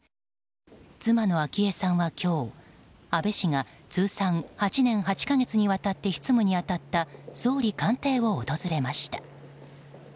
妻の昭恵さんは今日、安倍氏が通算８年８か月にわたって執務に当たった総理官邸を訪れました。